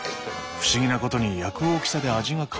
不思議なことに焼く大きさで味が変わる。